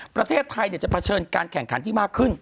ประเทศไทยเนี่ยจะประเชิญการแข่งขันที่มากขึ้น